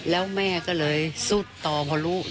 แล้วแม่ก็เลยสุดต่อพอรู้